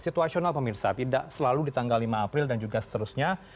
situasional pemirsa tidak selalu di tanggal lima april dan juga seterusnya